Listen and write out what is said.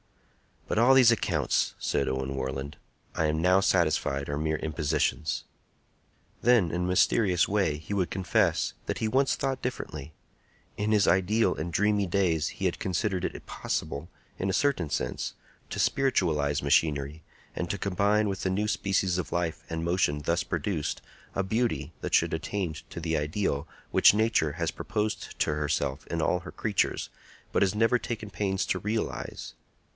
"But all these accounts," said Owen Warland, "I am now satisfied are mere impositions." Then, in a mysterious way, he would confess that he once thought differently. In his idle and dreamy days he had considered it possible, in a certain sense, to spiritualize machinery, and to combine with the new species of life and motion thus produced a beauty that should attain to the ideal which Nature has proposed to herself in all her creatures, but has never taken pains to realize.